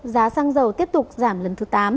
giá xăng dầu tiếp tục giảm lần thứ tám